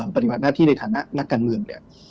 ปฏิบัติหน้าที่ในฐานะนักการเมืองเนี่ย